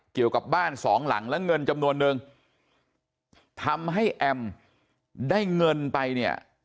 เกี่ยวกับบ้านสองหลังและเงินจำนวนนึงทำให้แอมได้เงินไปเนี่ย